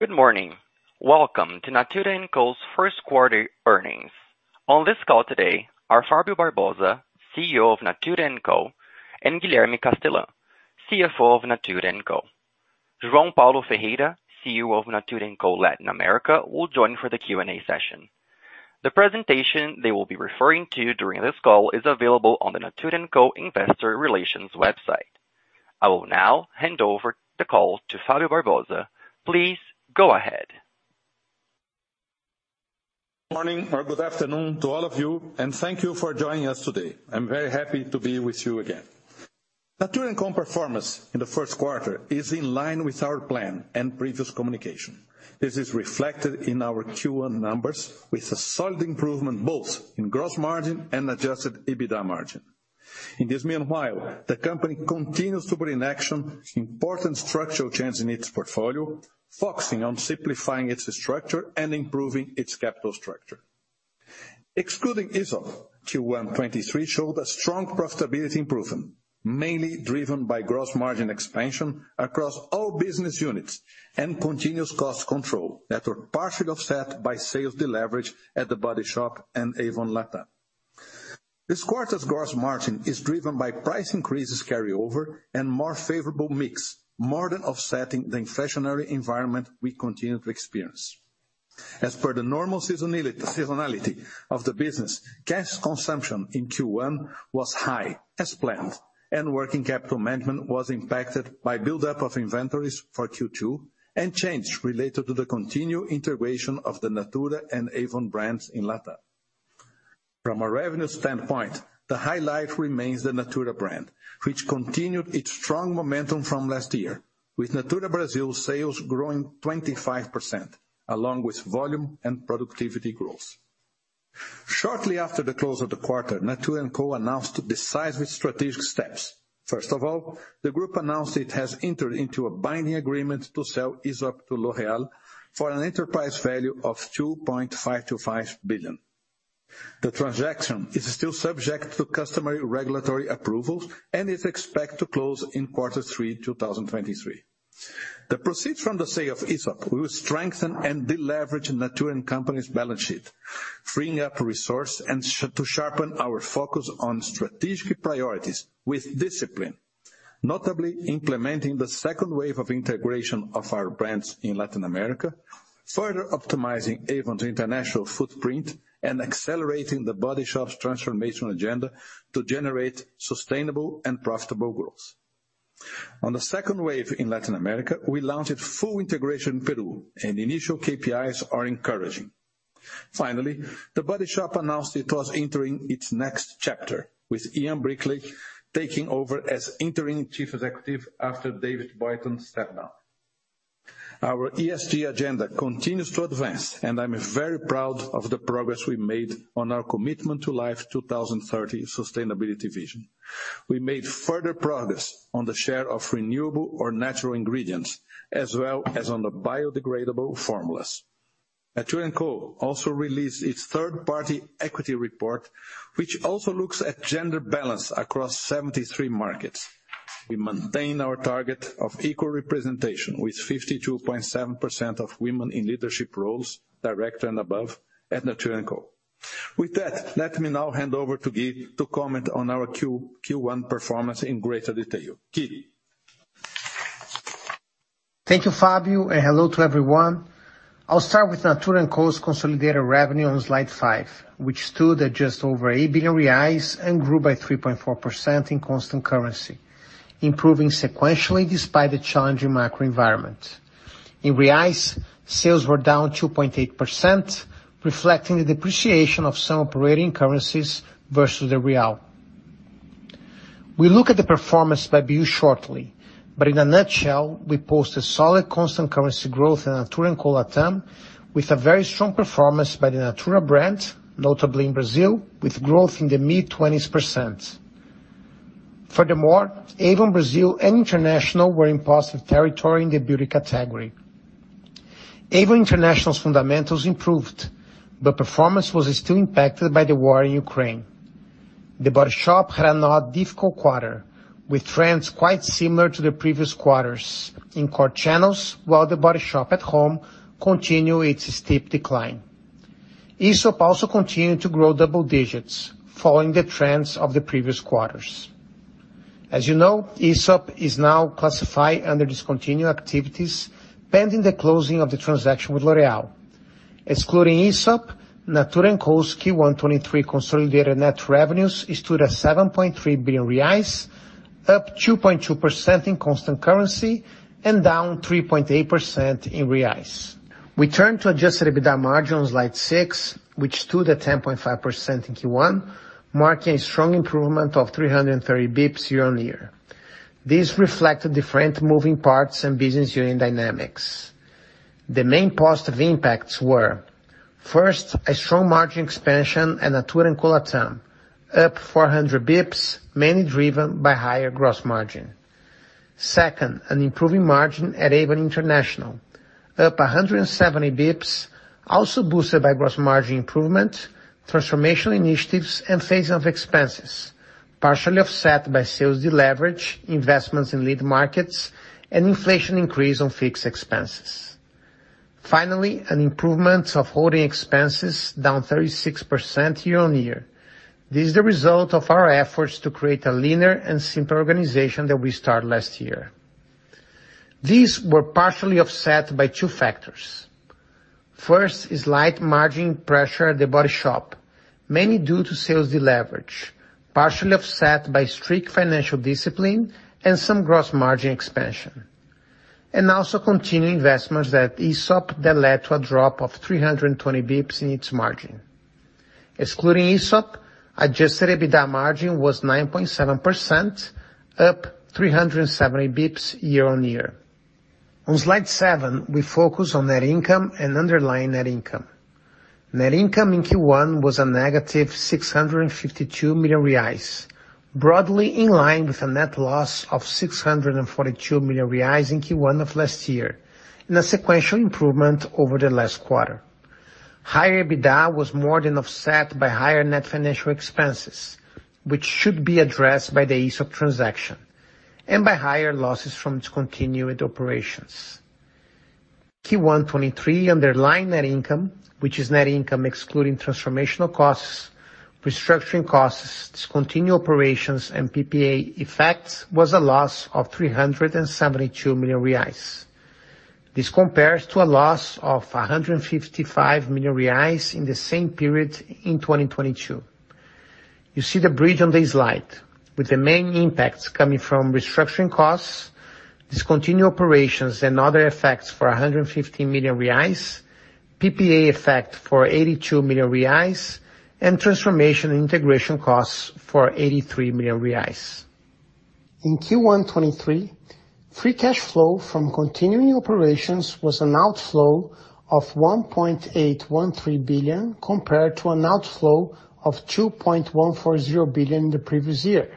Good morning. Welcome to Natura &Co's first quarter earnings. On this call today are Fábio Barbosa, CEO of Natura &Co, and Guilherme Castellan, CFO of Natura &Co. João Paulo Ferreira, CEO of Natura &Co Latin America, will join for the Q&A session. The presentation they will be referring to during this call is available on the Natura &Co investor relations website. I will now hand over the call to Fábio Barbosa. Please go ahead. Morning or good afternoon to all of you. Thank you for joining us today. I'm very happy to be with you again. Natura &Co performance in the first quarter is in line with our plan and previous communication. This is reflected in our Q1 numbers with a solid improvement both in gross margin and adjusted EBITDA margin. In this meanwhile, the company continues to put in action important structural changes in its portfolio, focusing on simplifying its structure and improving its capital structure. Excluding Aesop, Q1 2023 showed a strong profitability improvement, mainly driven by gross margin expansion across all business units and continuous cost control that were partially offset by sales deleverage at The Body Shop and Avon Latam. This quarter's gross margin is driven by price increases carryover and more favorable mix, more than offsetting the inflationary environment we continue to experience. As per the normal seasonality of the business, cash consumption in Q1 was high as planned, and working capital management was impacted by buildup of inventories for Q2 and change related to the continued integration of the Natura and Avon brands in LATAM. From a revenue standpoint, the highlight remains the Natura brand, which continued its strong momentum from last year, with Natura Brazil sales growing 25%, along with volume and productivity growth. Shortly after the close of the quarter, Natura &Co announced decisive strategic steps. First of all, the group announced it has entered into a binding agreement to sell Aesop to L'Oréal for an enterprise value of $2.525 billion. The transaction is still subject to customary regulatory approvals and is expected to close in quarter three 2023. The proceeds from the sale of Aesop will strengthen and deleverage Natura &Co's company's balance sheet, freeing up resource to sharpen our focus on strategic priorities with discipline, notably implementing the second wave of integration of our brands in Latin America, further optimizing Avon International footprint, and accelerating The Body Shop's transformation agenda to generate sustainable and profitable growth. On the second wave in Latin America, we launched full integration in Peru. Initial KPIs are encouraging. Finally, The Body Shop announced it was entering its next chapter, with Ian Bickley taking over as interim chief executive after David Boynton stepped down. Our ESG agenda continues to advance, I'm very proud of the progress we made on our Commitment to Life 2030 sustainability vision. We made further progress on the share of renewable or natural ingredients, as well as on the biodegradable formulas. Natura &Co also released its third-party equity report, which also looks at gender balance across 73 markets. We maintain our target of equal representation, with 52.7% of women in leadership roles, direct and above, at Natura &Co. Let me now hand over to Gui to comment on our Q1 performance in greater detail. Gui? Thank you, Fábio, and hello to everyone. I'll start with Natura &Co's consolidated revenue on slide 5, which stood at just over 8 billion reais and grew by 3.4% in constant currency, improving sequentially despite the challenging macro environment. In reais, sales were down 2.8%, reflecting the depreciation of some operating currencies versus the real. We look at the performance by BU shortly, but in a nutshell, we post a solid constant currency growth in Natura &Co LATAM with a very strong performance by the Natura brand, notably in Brazil, with growth in the mid-20s%. Furthermore, Avon Brazil and International were in positive territory in the beauty category. Avon International's fundamentals improved, but performance was still impacted by the war in Ukraine. The Body Shop had another difficult quarter, with trends quite similar to the previous quarters in core channels, while The Body Shop At Home continued its steep decline. Aesop also continued to grow double digits, following the trends of the previous quarters. As you know, Aesop is now classified under discontinued activities pending the closing of the transaction with L'Oréal. Excluding Aesop, Natura &Co's Q1 2023 consolidated net revenues stood at 7.3 billion reais, up 2.2% in constant currency and down 3.8% in reais. We turn to adjusted EBITDA margin on slide 6, which stood at 10.5% in Q1, marking a strong improvement of 330 bps year-on-year. This reflected different moving parts and business unit dynamics. The main positive impacts were, first, a strong margin expansion at Natura &Co Latam, up 400 basis points, mainly driven by higher gross margin. Second, an improving margin at Avon International, up 170 basis points, also boosted by gross margin improvement, transformational initiatives, and phasing of expenses, partially offset by sales deleverage, investments in lead markets, and inflation increase on fixed expenses. An improvement of holding expenses down 36% year-over-year. This is the result of our efforts to create a leaner and simpler organization that we started last year. These were partially offset by two factors. First, slight margin pressure at The Body Shop, mainly due to sales deleverage, partially offset by strict financial discipline and some gross margin expansion. Also continuing investments at Aesop that led to a drop of 320 basis points in its margin. Excluding Aesop, adjusted EBITDA margin was 9.7%, up 370 basis points year-on-year. On slide 7, we focus on net income and underlying net income. Net income in Q1 was a negative 652 million reais, broadly in line with a net loss of 642 million reais in Q1 of last year, and a sequential improvement over the last quarter. Higher EBITDA was more than offset by higher net financial expenses, which should be addressed by the Aesop transaction and by higher losses from discontinued operations. Q1 2023 underlying net income, which is net income excluding transformational costs, restructuring costs, discontinued operations and PPA effects, was a loss of 372 million reais. This compares to a loss of 155 million reais in the same period in 2022. You see the bridge on the slide with the main impacts coming from restructuring costs, discontinued operations and other effects for 150 million reais, PPA effect for 82 million reais, and transformation and integration costs for 83 million reais. In Q1 2023, free cash flow from continuing operations was an outflow of 1.813 billion, compared to an outflow of 2.140 billion in the previous year.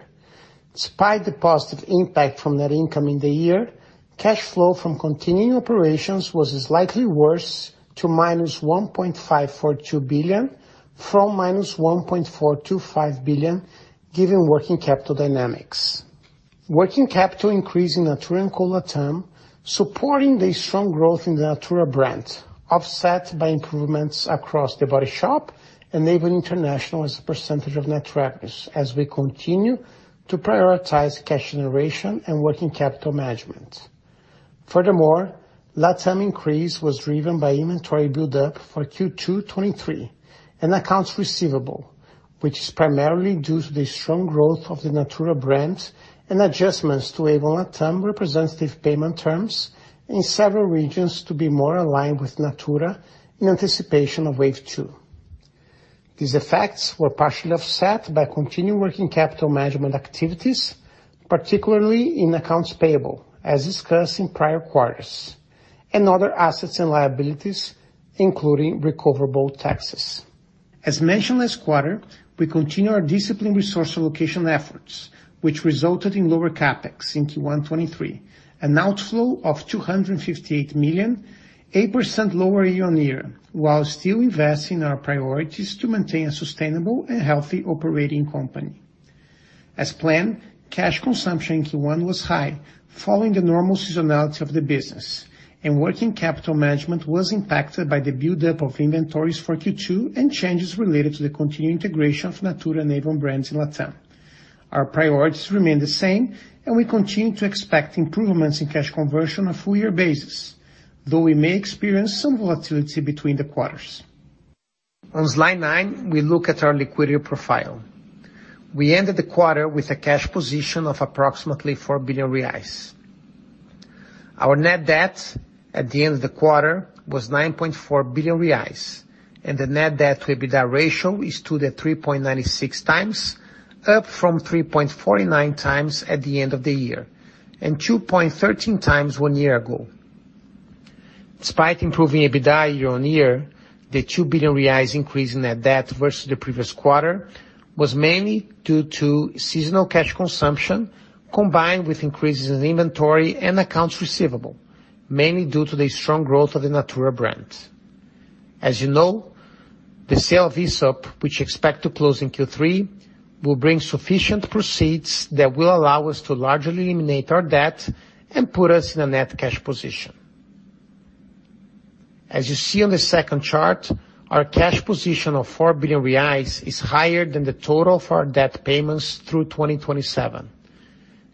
Despite the positive impact from net income in the year, cash flow from continuing operations was slightly worse to -1.542 billion from -1.425 billion given working capital dynamics. Working capital increase in Natura &Co Latam, supporting the strong growth in the Natura brand, offset by improvements across The Body Shop and Avon International as a % of net revenues as we continue to prioritize cash generation and working capital management. Latam increase was driven by inventory buildup for Q2 2023 and accounts receivable, which is primarily due to the strong growth of the Natura brand and adjustments to Avon Latam representative payment terms in several regions to be more aligned with Natura in anticipation of Wave 2. These effects were partially offset by continued working capital management activities, particularly in accounts payable, as discussed in prior quarters, and other assets and liabilities, including recoverable taxes. As mentioned last quarter, we continue our disciplined resource allocation efforts, which resulted in lower CapEx in Q1 2023, an outflow of 258 million, 8% lower year-over-year, while still investing in our priorities to maintain a sustainable and healthy operating company. As planned, cash consumption in Q1 was high, following the normal seasonality of the business, and working capital management was impacted by the buildup of inventories for Q2 and changes related to the continued integration of Natura and Avon brands in Latam. Our priorities remain the same, and we continue to expect improvements in cash conversion on a full year basis, though we may experience some volatility between the quarters. On slide 9, we look at our liquidity profile. We ended the quarter with a cash position of approximately 4 billion reais. Our net debt at the end of the quarter was 9.4 billion reais, and the net debt to EBITDA ratio is 2.96 times, up from 3.49 times at the end of the year, and 2.13 times 1 year ago. Despite improving EBITDA year-on-year, the 2 billion reais increase in net debt versus the previous quarter was mainly due to seasonal cash consumption combined with increases in inventory and accounts receivable, mainly due to the strong growth of the Natura brand. As you know, the sale of Aesop, which we expect to close in Q3, will bring sufficient proceeds that will allow us to largely eliminate our debt and put us in a net cash position. As you see on the second chart, our cash position of 4 billion reais is higher than the total of our debt payments through 2027.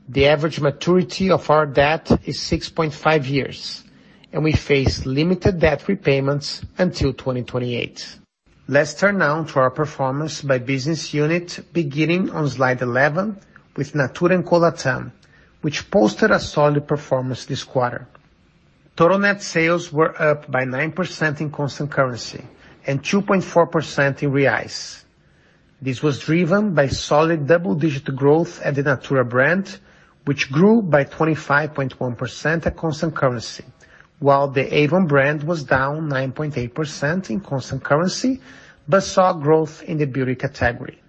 We face limited debt repayments until 2028. Let's turn now to our performance by business unit, beginning on slide 11 with Natura &Co Latam, which posted a solid performance this quarter. Total net sales were up by 9% in constant currency and 2.4% in reais. This was driven by solid double-digit growth at the Natura brand, which grew by 25.1% at constant currency, while the Avon brand was down 9.8% in constant currency, but saw growth in the beauty category.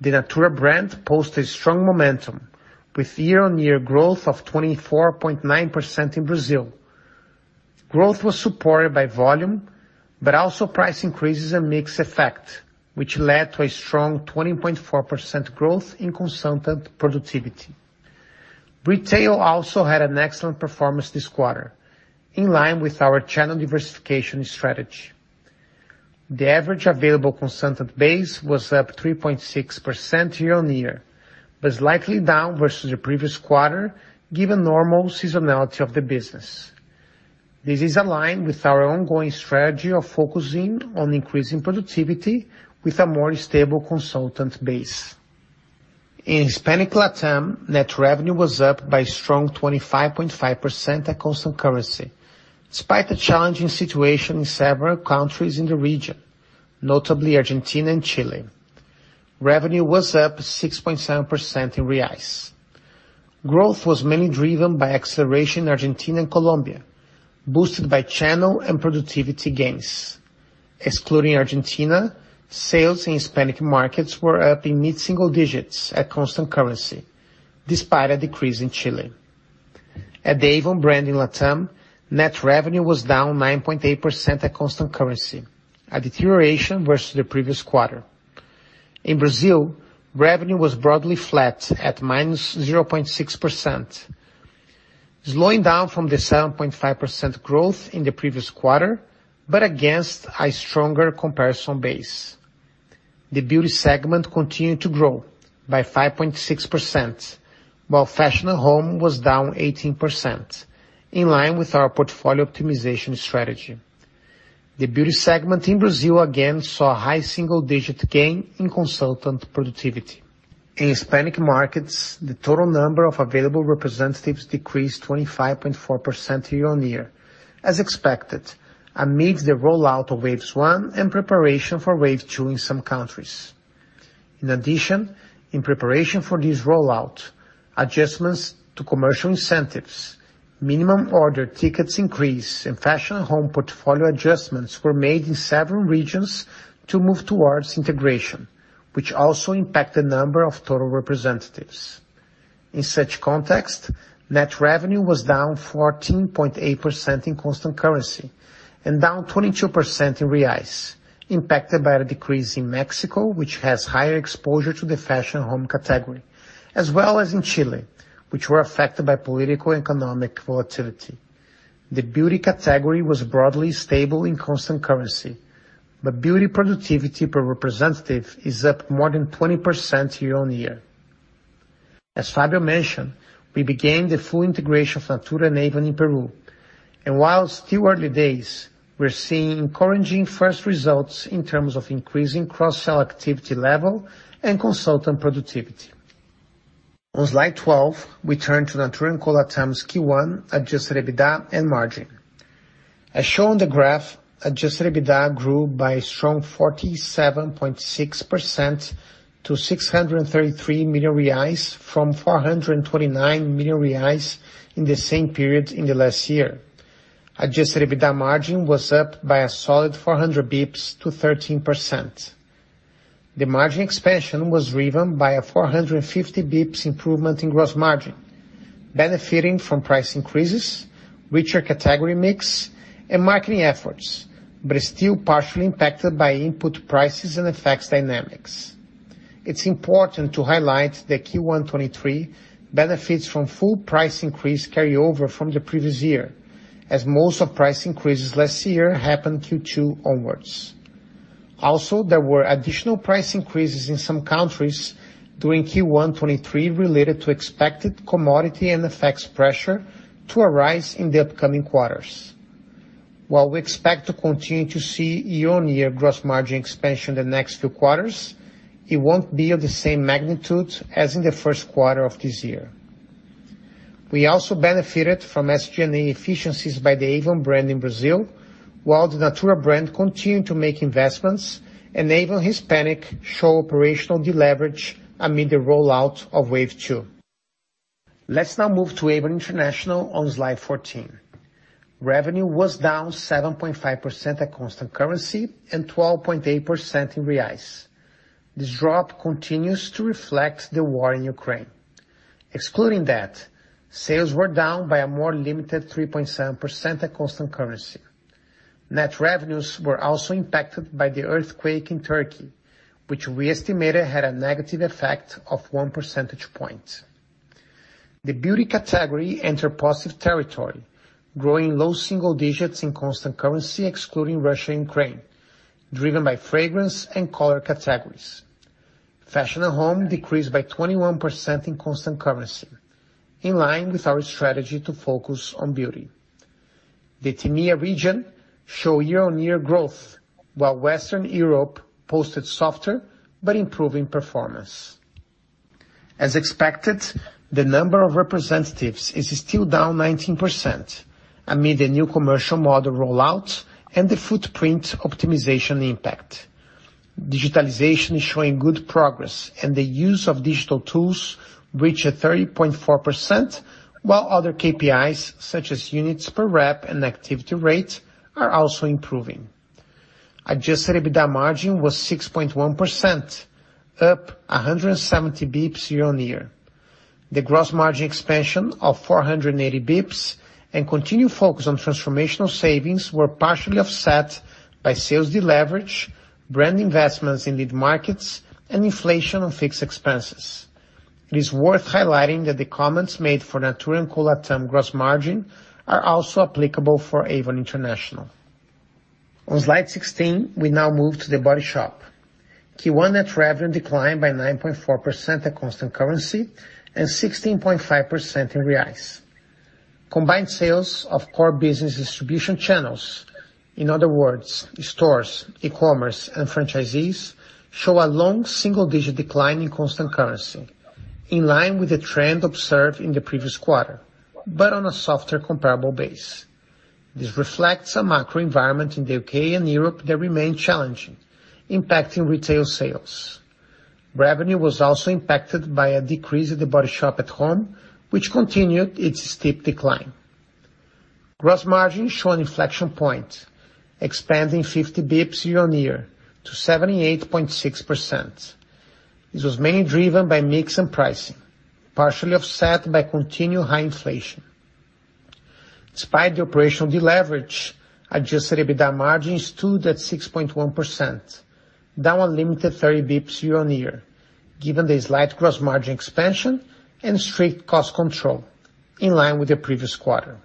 The Natura brand posted strong momentum with year-over-year growth of 24.9% in Brazil. Growth was supported by volume, but also price increases and mix effect, which led to a strong 20.4% growth in consultant productivity. Retail also had an excellent performance this quarter, in line with our channel diversification strategy. The average available consultant base was up 3.6% year-on-year, but slightly down versus the previous quarter, given normal seasonality of the business. This is aligned with our ongoing strategy of focusing on increasing productivity with a more stable consultant base. In Hispanic LatAm, net revenue was up by strong 25.5% at constant currency, despite a challenging situation in several countries in the region, notably Argentina and Chile. Revenue was up 6.7% in Reais. Growth was mainly driven by acceleration in Argentina and Colombia, boosted by channel and productivity gains. Excluding Argentina, sales in Hispanic markets were up in mid-single digits at constant currency, despite a decrease in Chile. At the Avon brand in LatAm, net revenue was down 9.8% at constant currency, a deterioration versus the previous quarter. In Brazil, revenue was broadly flat at -0.6%, slowing down from the 7.5% growth in the previous quarter, but against a stronger comparison base. The beauty segment continued to grow by 5.6%, while fashion and home was down 18%, in line with our portfolio optimization strategy. The beauty segment in Brazil again saw a high-single digit gain in consultant productivity. In Hispanic markets, the total number of available representatives decreased 25.4% year-on-year, as expected, amid the rollout of Wave 1 and preparation for Wave 2 in some countries. In addition, in preparation for this rollout, adjustments to commercial incentives, minimum order tickets increase, and fashion home portfolio adjustments were made in several regions to move towards integration, which also impact the number of total representatives. In such context, net revenue was down 14.8% in constant currency and down 22% in BRL, impacted by a decrease in Mexico, which has higher exposure to the fashion home category, as well as in Chile, which were affected by political, economic volatility. The beauty category was broadly stable in constant currency, beauty productivity per representative is up more than 20% year-over-year. As Fabio mentioned, we began the full integration of Natura and Avon in Peru. While still early days, we're seeing encouraging first results in terms of increasing cross-sell activity level and consultant productivity. On slide 12, we turn to Natura &Co Latam's Q1 adjusted EBITDA and margin. As shown in the graph, adjusted EBITDA grew by a strong 47.6% to 633 million reais from 429 million reais in the same period in the last year. Adjusted EBITDA margin was up by a solid 400 basis points to 13%. The margin expansion was driven by a 450 basis points improvement in gross margin, benefiting from price increases, richer category mix, and marketing efforts, but is still partially impacted by input prices and effects dynamics. It's important to highlight that Q1 '23 benefits from full price increase carryover from the previous year, as most of price increases last year happened Q2 onwards. There were additional price increases in some countries during Q1 2023 related to expected commodity and effects pressure to arise in the upcoming quarters. While we expect to continue to see year-on-year gross margin expansion the next 2 quarters, it won't be of the same magnitude as in the 1st quarter of this year. We also benefited from SG&A efficiencies by the Avon brand in Brazil, while the Natura brand continued to make investments, and Avon Hispanic show operational deleverage amid the rollout of Wave 2. Let's now move to Avon International on slide 14. Revenue was down 7.5% at constant currency and 12.8% in BRL. This drop continues to reflect the war in Ukraine. Excluding that, sales were down by a more limited 3.7% at constant currency. Net revenues were also impacted by the earthquake in Turkey, which we estimated had a negative effect of one percentage point. The beauty category enter positive territory, growing low single digits in constant currency, excluding Russia and Ukraine, driven by fragrance and color categories. Fashion and home decreased by 21% in constant currency, in line with our strategy to focus on beauty. The TMEA region show year-on-year growth, while Western Europe posted softer but improving performance. As expected, the number of representatives is still down 19% amid the new commercial model rollout and the footprint optimization impact. Digitalization is showing good progress and the use of digital tools reach a 30.4%, while other KPIs such as units per rep and activity rate are also improving. adjusted EBITDA margin was 6.1%, up 170 bps year-on-year. The gross margin expansion of 480 bps and continued focus on transformational savings were partially offset by sales deleverage, brand investments in lead markets, and inflation on fixed expenses. It is worth highlighting that the comments made for Natura &Co Latam gross margin are also applicable for Avon International. On slide 16, we now move to The Body Shop. Q1 net revenue declined by 9.4% at constant currency and 16.5% in BRL. Combined sales of core business distribution channels, in other words, stores, e-commerce, and franchisees show a long single-digit decline in constant currency, in line with the trend observed in the previous quarter, but on a softer comparable base. This reflects a macro environment in the U.K. and Europe that remain challenging, impacting retail sales. Revenue was also impacted by a decrease at The Body Shop At Home, which continued its steep decline. Gross margin show an inflection point, expanding 50 bps year-on-year to 78.6%. This was mainly driven by mix and pricing, partially offset by continued high inflation. Despite the operational deleverage, adjusted EBITDA margin stood at 6.1%, down a limited 30 bps year-on-year, given the slight gross margin expansion and strict cost control in line with the previous quarter.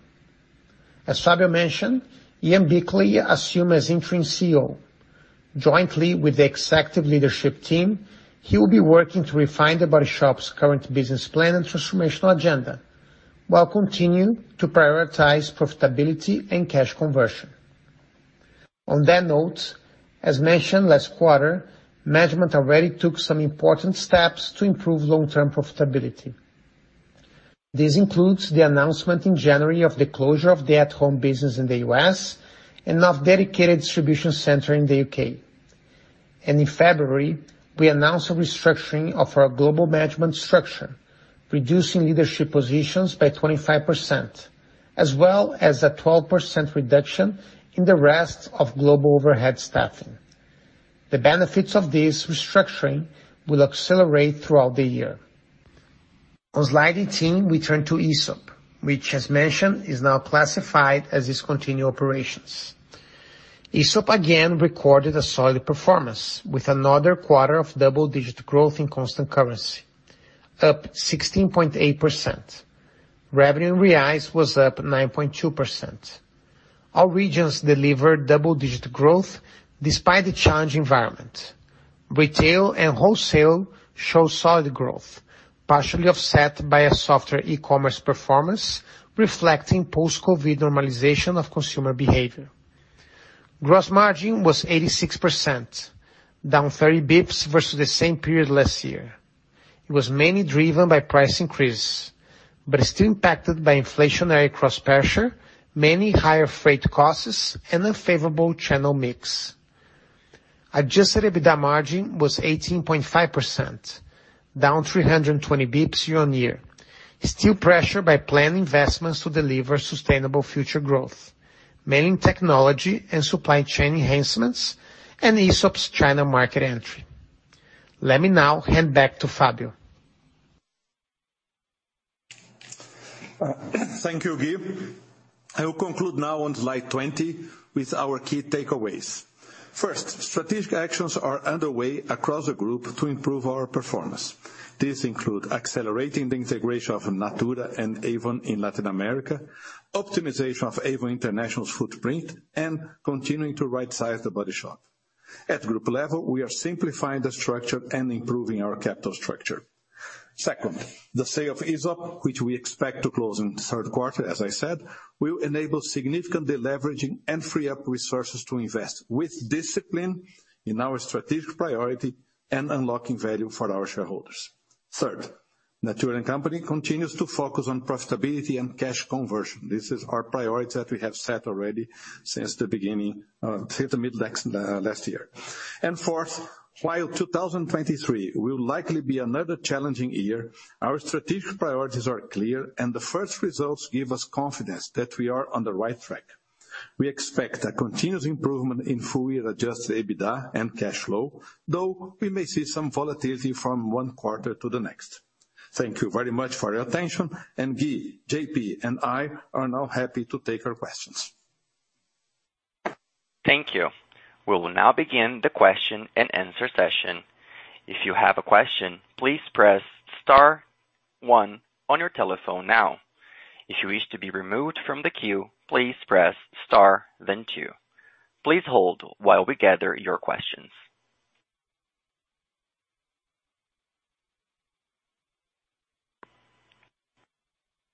As Fabio mentioned, Ian Bickley assumed as interim CEO. Jointly with the executive leadership team, he will be working to refine The Body Shop's current business plan and transformational agenda, while continuing to prioritize profitability and cash conversion. On that note, as mentioned last quarter, management already took some important steps to improve long-term profitability. This includes the announcement in January of the closure of the at-home business in the U.S. and of dedicated distribution center in the U.K. In February, we announced a restructuring of our global management structure, reducing leadership positions by 25%, as well as a 12% reduction in the rest of global overhead staffing. The benefits of this restructuring will accelerate throughout the year. On slide 18, we turn to Aesop, which as mentioned, is now classified as discontinued operations. Aesop again recorded a solid performance with another quarter of double-digit growth in constant currency, up 16.8%. Revenue in BRL was up 9.2%. All regions delivered double-digit growth despite the challenging environment. Retail and wholesale showed solid growth, partially offset by a softer e-commerce performance, reflecting post-COVID normalization of consumer behavior. Gross margin was 86%, down 30 bps versus the same period last year. It was mainly driven by price increases, but still impacted by inflationary cost pressure, mainly higher freight costs and unfavorable channel mix. Adjusted EBITDA margin was 18.5%, down 320 bps year-on-year. Still pressured by planned investments to deliver sustainable future growth, mainly in technology and supply chain enhancements and Aesop's China market entry. Let me now hand back to Fabio. Thank you, Gui. I will conclude now on slide 20 with our key takeaways. First, strategic actions are underway across the group to improve our performance. These include accelerating the integration of Natura and Avon in Latin America, optimization of Avon International's footprint, and continuing to rightsize The Body Shop. At group level, we are simplifying the structure and improving our capital structure. Second, the sale of Aesop, which we expect to close in the 3rd quarter, as I said, will enable significant deleveraging and free up resources to invest with discipline in our strategic priority and unlocking value for our shareholders. Third, Natura &Co continues to focus on profitability and cash conversion. This is our priority that we have set already since the beginning, since the midlast, last year. Fourth, while 2023 will likely be another challenging year, our strategic priorities are clear, and the first results give us confidence that we are on the right track. We expect a continuous improvement in full-year adjusted EBITDA and cash flow, though we may see some volatility from one quarter to the next. Thank you very much for your attention. Gui, J.P., and I are now happy to take your questions. Thank you. We will now begin the question-and-answer session. If you have a question, please press star one on your telephone now. If you wish to be removed from the queue, please press star, then two. Please hold while we gather your questions.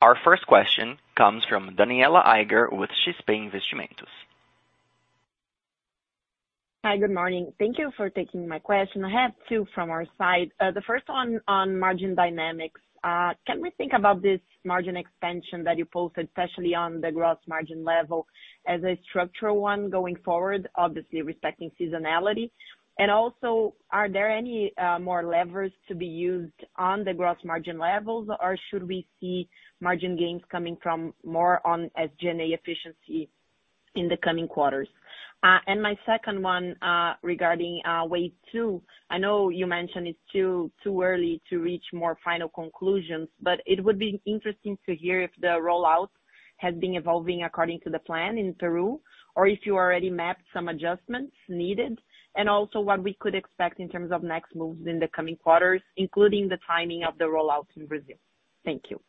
Our first question comes from Danniela Eiger with XP Investimentos. Hi, good morning. Thank you for taking my question. I have two from our side. The first one on margin dynamics. Can we think about this margin expansion that you posted, especially on the gross margin level, as a structural one going forward, obviously respecting seasonality? Also, are there any more levers to be used on the gross margin levels, or should we see margin gains coming from more on SG&A efficiency in the coming quarters? My second one regarding Wave 2. I know you mentioned it's too early to reach more final conclusions, but it would be interesting to hear if the rollout has been evolving according to the plan in Peru, or if you already mapped some adjustments needed, and also what we could expect in terms of next moves in the coming quarters, including the timing of the rollout in Brazil. Thank you.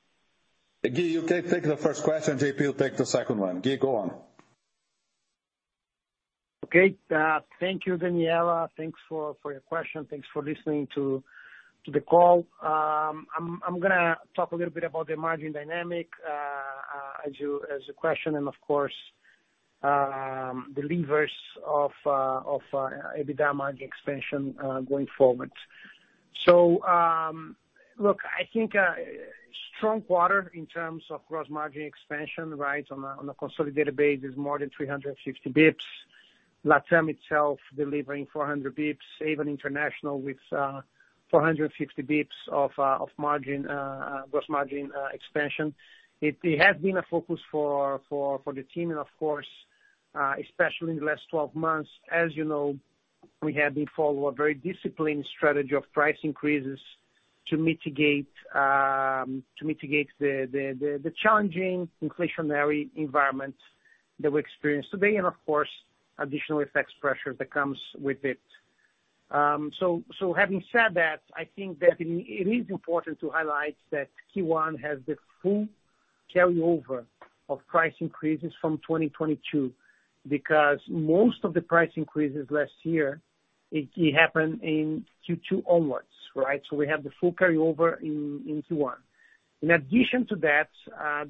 Gui, you can take the first question, J.P. will take the second one. Gui, go on. Okay. Thank you, Daniela. Thanks for your question. Thanks for listening to the call. I'm gonna talk a little bit about the margin dynamic, as a question and of course, the levers of EBITDA margin expansion going forward. Look, I think strong quarter in terms of gross margin expansion, right? On a consolidated basis, more than 350 bps. Latam itself delivering 400 bps, even international with 450 bps of margin, gross margin expansion. It has been a focus for the team and of course, especially in the last 12 months, as you know, we have been follow a very disciplined strategy of price increases to mitigate the challenging inflationary environment that we experience today, and of course, additional effects pressure that comes with it. Having said that, I think that it is important to highlight that Q1 has the full carryover of price increases from 2022, because most of the price increases last year, it happened in Q2 onwards, right? We have the full carryover in Q1. In addition to that,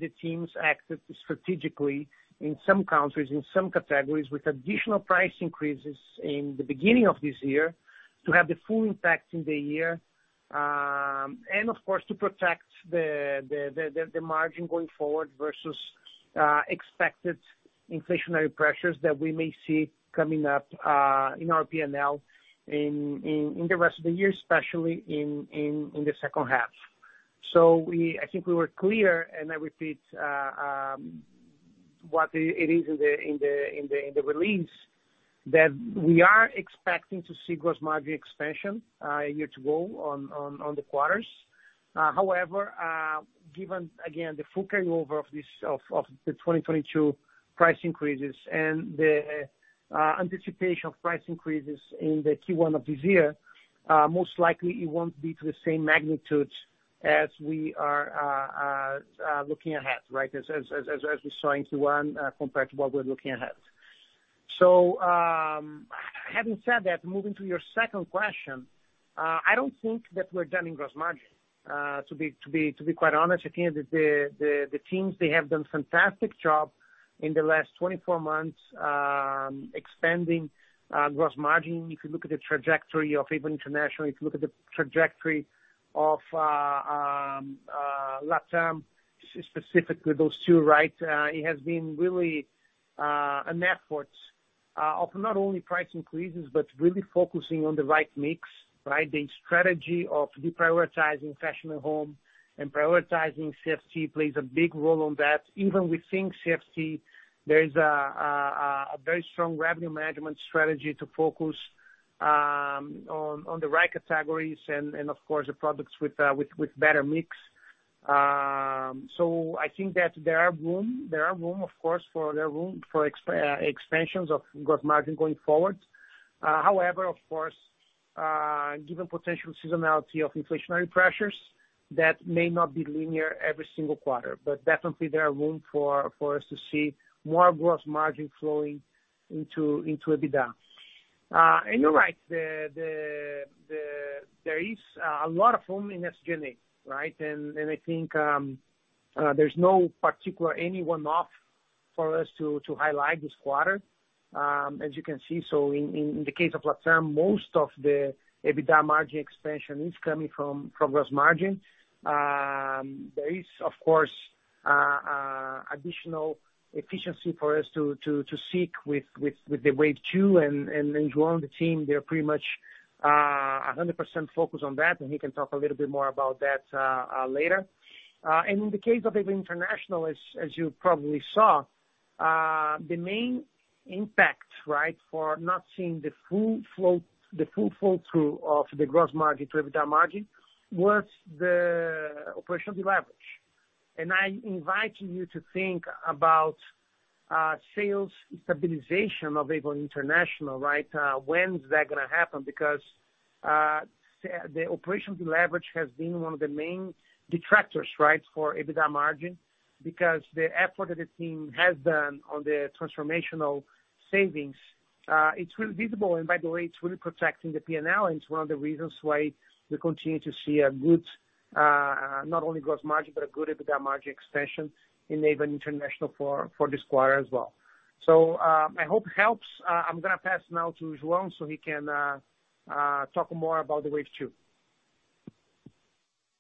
the teams acted strategically in some countries, in some categories with additional price increases in the beginning of this year to have the full impact in the year. Of course, to protect the margin going forward versus expected inflationary pressures that we may see coming up in our P&L in the rest of the year, especially in the second half. I think we were clear, and I repeat what it is in the release, that we are expecting to see gross margin expansion a year to go on the quarters. However, given again the full carryover of this of the 2022 price increases and the anticipation of price increases in the Q1 of this year, most likely it won't be to the same magnitude as we are looking ahead, right? As we saw in Q1, compared to what we're looking ahead. Having said that, moving to your second question, I don't think that we're done in gross margin. To be quite honest, I think the teams, they have done fantastic job in the last 24 months, expanding gross margin. If you look at the trajectory of even internationally, if you look at the trajectory of Latam, specifically those two, right? It has been really an effort of not only price increases, but really focusing on the right mix, right? The strategy of deprioritizing fashion and home and prioritizing CFT plays a big role on that. Even within CFT, there is a very strong revenue management strategy to focus on the right categories and of course, the products with better mix. I think that there are room, of course, for expansions of gross margin going forward. However, of course, given potential seasonality of inflationary pressures, that may not be linear every single quarter. Definitely there are room for us to see more gross margin flowing into EBITDA. You're right, there is a lot of room in SG&A, right? I think there's no particular any one-off for us to highlight this quarter. As you can see, in the case of Latam, most of the EBITDA margin expansion is coming from gross margin. There is of course additional efficiency for us to seek with the Wave 2 and João and the team, they are pretty much 100% focused on that, and he can talk a little bit more about that later. In the case of Avon International, as you probably saw, the main impact, right, for not seeing the full flow through of the gross margin to EBITDA margin was the operational leverage. I invite you to think about sales stabilization of Avon International, right? When is that gonna happen? Because the operational leverage has been one of the main detractors, right, for EBITDA margin because the effort that the team has done on the transformational savings, it's really visible and by the way, it's really protecting the P&L and it's one of the reasons why we continue to see a good, not only gross margin, but a good EBITDA margin expansion in Avon International for this quarter as well. I hope it helps. I'm gonna pass now to João so he can talk more about the Wave 2.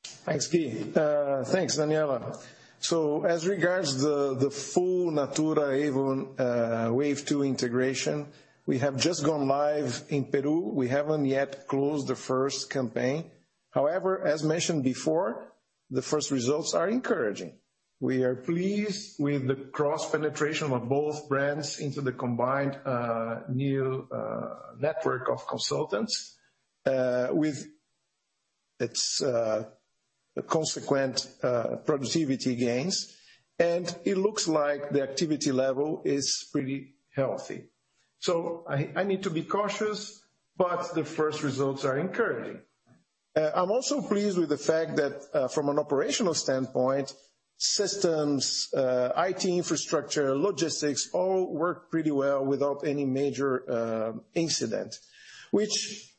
Thanks, Gui. Thanks, Danniela. As regards the full Natura Avon, Wave 2 integration, we have just gone live in Peru. We haven't yet closed the first campaign. However, as mentioned before, the first results are encouraging. We are pleased with the cross-penetration of both brands into the combined, new network of consultants, with its consequent productivity gains. It looks like the activity level is pretty healthy. I need to be cautious, but the first results are encouraging. I'm also pleased with the fact that, from an operational standpoint, systems, IT infrastructure, logistics, all work pretty well without any major incident, which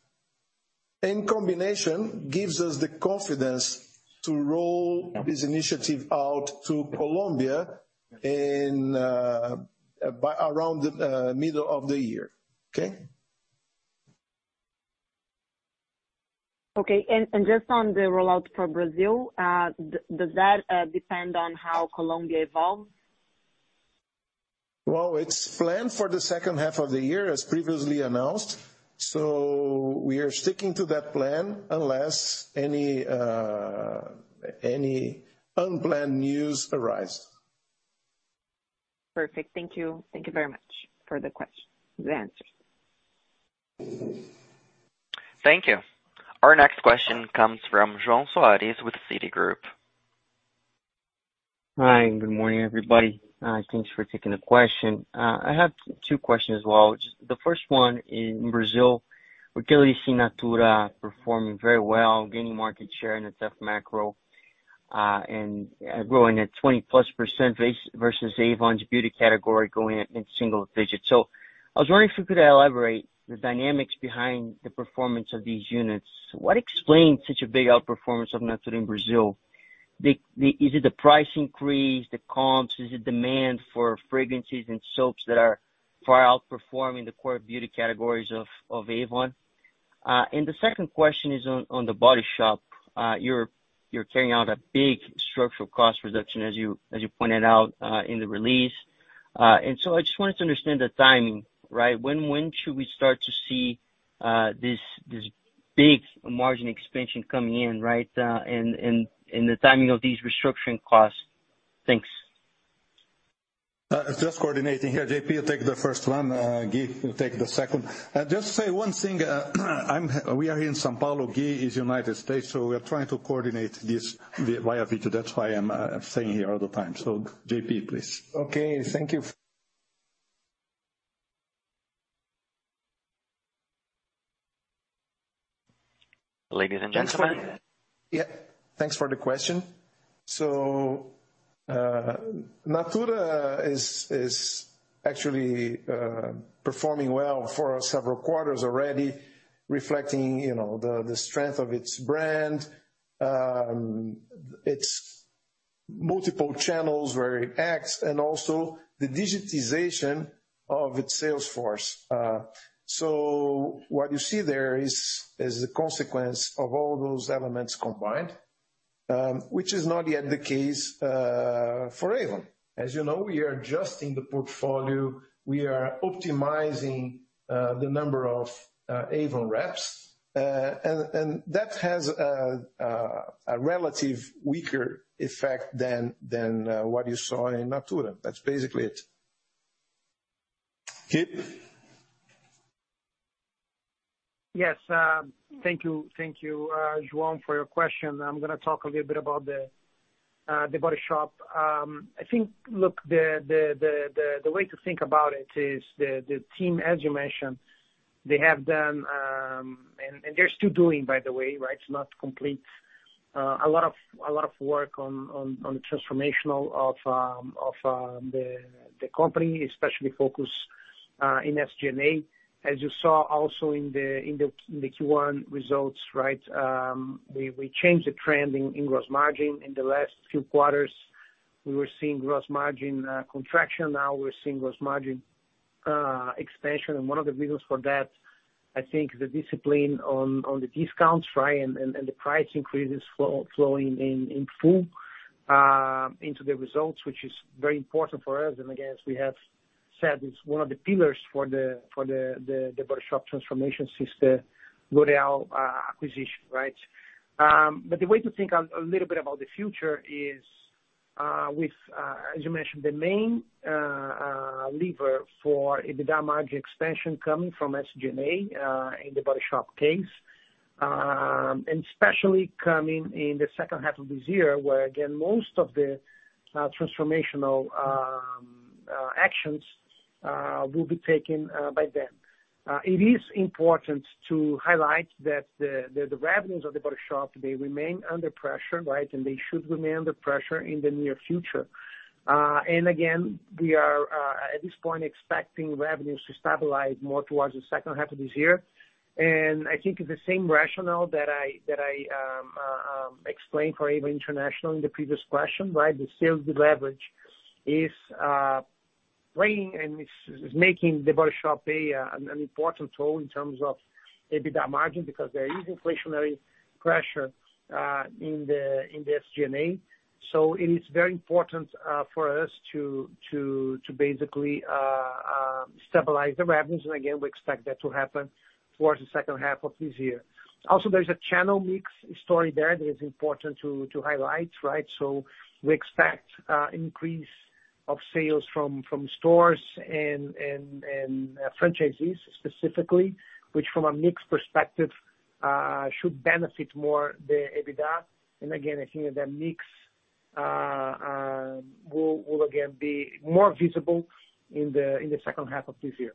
in combination gives us the confidence to roll this initiative out to Colombia by around the middle of the year. Okay? Okay. Just on the rollout for Brazil, does that depend on how Colombia evolves? It's planned for the second half of the year as previously announced. We are sticking to that plan unless any unplanned news arise. Perfect. Thank you. Thank you very much for the answers. Thank you. Our next question comes from João Soares with Citigroup. Hi, good morning, everybody. Thanks for taking the question. I have two questions as well. Just the first one, in Brazil, we're clearly seeing Natura performing very well, gaining market share in its F macro, and growing at 20+% versus Avon's beauty category growing at mid-single digits. I was wondering if you could elaborate the dynamics behind the performance of these units. What explains such a big outperformance of Natura in Brazil? Is it the price increase, the comps? Is it demand for fragrances and soaps that are far outperforming the core beauty categories of Avon? The second question is on The Body Shop. You're carrying out a big structural cost reduction as you pointed out in the release. I just wanted to understand the timing, right? Should we start to see this big margin expansion coming in, right? The timing of these restructuring costs? Thanks. Just coordinating here. JP, you take the first one. Gui, you take the second. Just say one thing. We are here in São Paulo. Gui is United States. We are trying to coordinate this via virtual. That's why I'm saying here all the time. JP, please. Okay. Thank you. Ladies and gentlemen. Yeah. Thanks for the question. Natura is actually performing well for several quarters already reflecting, you know, the strength of its brand, its multiple channels where it acts and also the digitization of its sales force. What you see there is a consequence of all those elements combined, which is not yet the case for Avon. As you know, we are adjusting the portfolio. We are optimizing the number of Avon reps. That has a relative weaker effect than what you saw in Natura. That's basically it. Gui? Yes. Thank you. Thank you, João, for your question. I'm gonna talk a little bit about The Body Shop. I think... Look, the way to think about it is the team, as you mentioned, they have done, and they're still doing by the way, right, it's not complete, a lot of work on the transformational of the company, especially focus in SG&A. As you saw also in the Q1 results, right? We changed the trend in gross margin. In the last few quarters, we were seeing gross margin contraction. Now we're seeing gross margin expansion. One of the reasons for that, I think the discipline on the discounts, right, and the price increases flowing in full, into the results, which is very important for us. Again, as we have said, it's one of the pillars for The Body Shop transformation since the L'Oréal acquisition, right? The way to think a little bit about the future is with, as you mentioned, the main lever for the EBITDA margin expansion coming from SG&A in The Body Shop case. Especially coming in the second half of this year, where again, most of the transformational actions will be taken by then. It is important to highlight that the revenues of The Body Shop, they remain under pressure, right? They should remain under pressure in the near future. Again, we are at this point expecting revenues to stabilize more towards the second half of this year. I think the same rationale that I explained for Avon International in the previous question, right? The sales leverage is playing and is making the Body Shop an important role in terms of EBITDA margin because there is inflationary pressure in the SG&A. It is very important for us to basically stabilize the revenues. Again, we expect that to happen towards the second half of this year. There's a channel mix story there that is important to highlight, right? We expect increase of sales from stores and franchisees specifically, which from a mix perspective, should benefit more the EBITDA. Again, I think that mix will again be more visible in the second half of this year.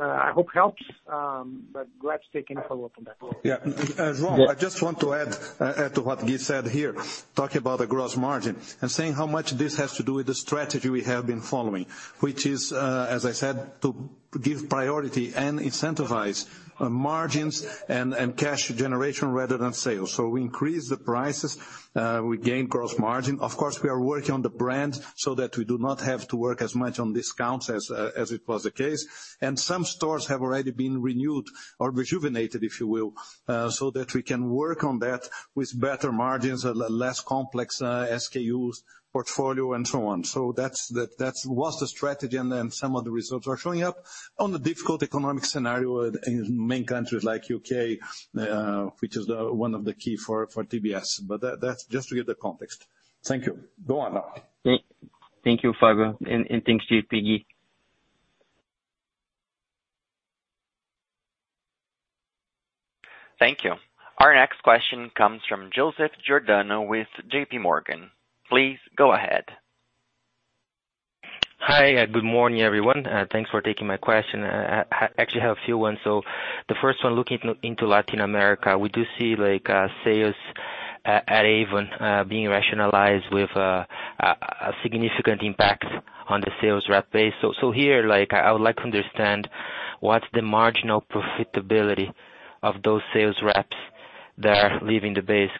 I hope helps, but glad to take any follow-up on that. Yeah. As well, I just want to add to what Gui said here, talking about the gross margin and saying how much this has to do with the strategy we have been following, which is, as I said, to give priority and incentivize margins and cash generation rather than sales. We increase the prices, we gain gross margin. Of course, we are working on the brand so that we do not have to work as much on discounts as it was the case. Some stores have already been renewed or rejuvenated, if you will, so that we can work on that with better margins, a less complex SKUs, portfolio and so on. That's was the strategy and some of the results are showing up. On the difficult economic scenario in main countries like U.K., which is the one of the key for TBS. That's just to give the context. Thank you. Go on now. Thank you, Fabio, and thanks to you too, Gui. Thank you. Our next question comes from Joseph Giordano with J.P. Morgan. Please go ahead. Hi, good morning, everyone. Thanks for taking my question. I actually have a few ones. The first one, looking into Latin America, we do see like sales at Avon being rationalized with a significant impact on the sales rep base. Here, like I would like to understand what's the marginal profitability of those sales reps that are leaving the base?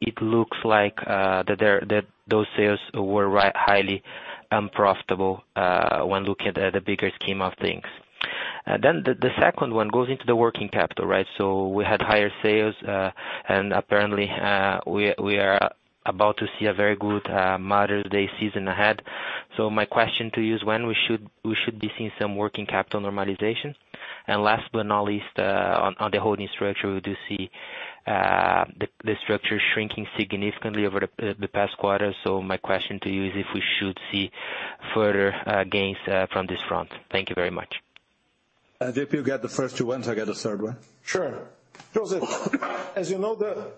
It looks like that those sales were highly unprofitable when looking at the bigger scheme of things. The second one goes into the working capital, right? We had higher sales, and apparently, we are about to see a very good Mother's Day season ahead. My question to you is when we should be seeing some working capital normalization? Last but not least, on the holding structure, we do see the structure shrinking significantly over the past quarter. My question to you is if we should see further gains from this front. Thank you very much. J.P. you get the first two ones, I get the third one. Sure. Joseph, as you know, the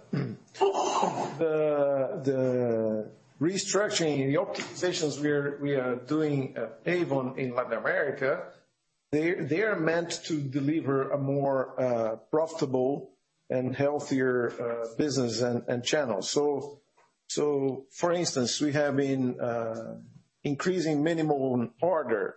restructuring and the optimizations we are doing at Avon in Latin America, they are meant to deliver a more profitable and healthier business and channel. For instance, we have been increasing minimum order.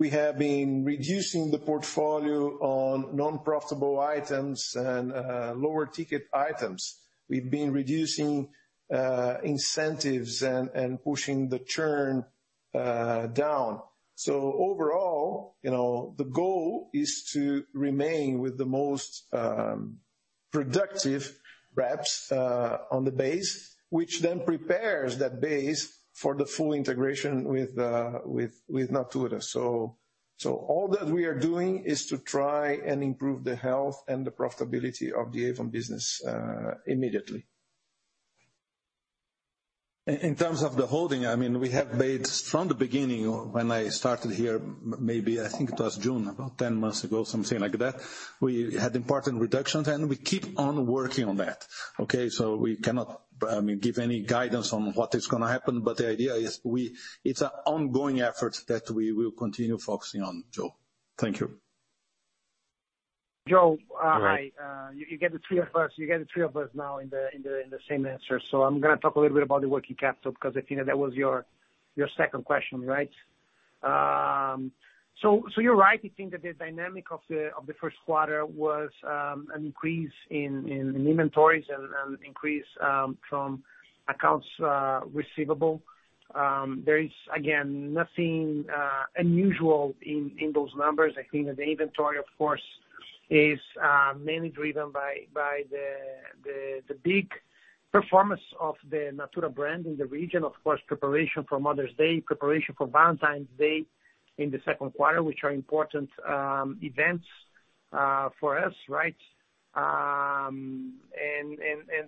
We have been reducing the portfolio on non-profitable items and lower ticket items. We've been reducing incentives and pushing the churn down. Overall, you know, the goal is to remain with the most productive reps on the base, which then prepares that base for the full integration with Natura. All that we are doing is to try and improve the health and the profitability of the Avon business immediately. In terms of the holding, I mean, we have made from the beginning when I started here, maybe I think it was June, about 10 months ago, something like that, we had important reductions and we keep on working on that, okay? We cannot give any guidance on what is gonna happen, but the idea is it's an ongoing effort that we will continue focusing on, Joe. Thank you. Joe. All right. Hi. You get the three of us now in the same answer. I'm gonna talk a little bit about the working capital, because I think that was your second question, right? You're right. I think that the dynamic of the first quarter was an increase in inventories and increase from accounts receivable. There is again, nothing unusual in those numbers. I think that the inventory, of course, is mainly driven by the big performance of the Natura brand in the region. Of course, preparation for Mother's Day, preparation for Valentine's Day in the second quarter, which are important events for us, right? The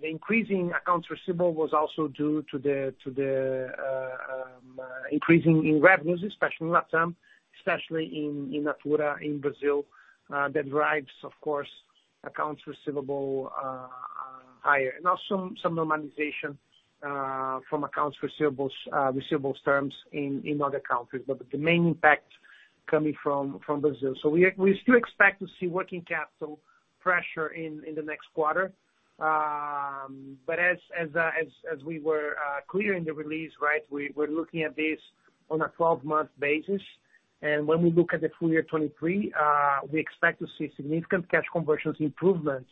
increasing accounts receivable was also due to the increasing in revenues, especially in Latam, especially in Natura in Brazil. That drives, of course, accounts receivable higher. Also some normalization from accounts receivables terms in other countries. The main impact coming from Brazil. We still expect to see working capital pressure in the next quarter. As we were clear in the release, right, we're looking at this on a 12-month basis. When we look at the full year 2023, we expect to see significant cash conversions improvements,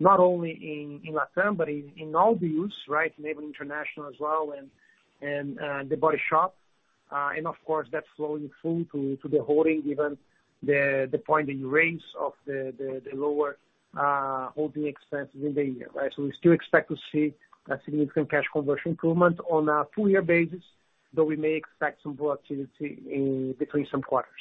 not only in Latam, but in all views, right? In Avon International as well, and The Body Shop. Of course, that's flowing through to the holding, given the point in rates of the lower holding expenses in the year, right? We still expect to see a significant cash conversion improvement on a full year basis. Though we may expect some volatility in between some quarters.